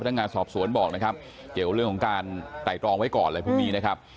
นักงานสอบสวนบอกนะครับเกี่ยวเรื่องของการไต่ตรองไว้ก่อนอะไรพวกนี้นะครับ